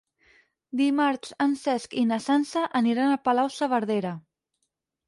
Dimarts en Cesc i na Sança aniran a Palau-saverdera.